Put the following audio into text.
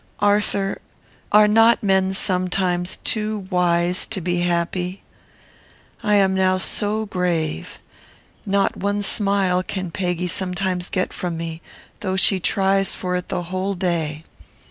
Arthur, are not men sometimes too wise to be happy? I am now so grave. Not one smile can Peggy sometimes get from me, though she tries for it the whole day.